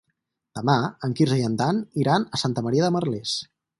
Demà en Quirze i en Dan iran a Santa Maria de Merlès.